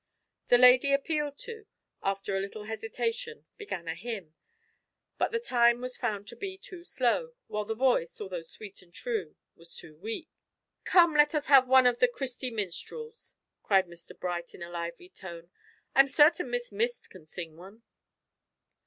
The lady appealed to, after a little hesitation, began a hymn, but the time was found to be too slow, while the voice, although sweet and true, was too weak. "Come, let us have one of the `Christy Minstrels'," cried Mr Bright in a lively tone. "I'm certain Miss Mist can sing one."